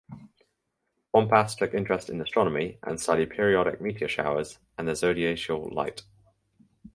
Bompas took interest in astronomy and studied periodic meteor showers and the Zodiacal light.